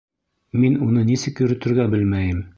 — Мин уны нисек йөрөтөргә белмәйем.